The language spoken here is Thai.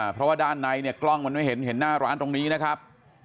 เพราะว่าด้านในเนี่ยกล้องมันไม่เห็นเห็นหน้าร้านตรงนี้นะครับ